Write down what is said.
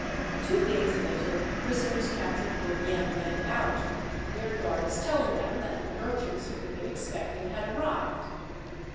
Two days later the prisoners captured were again led out, their guards telling them that the merchants who had been expected had arrived.